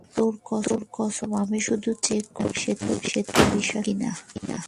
তোর কসম, আমি শুধু চ্যাক করছিলাম, সে তোর বিশ্বাসযোগ্য কিনা?